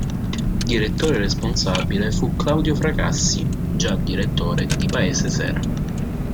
Direttore responsabile fu Claudio Fracassi, già direttore di "Paese Sera".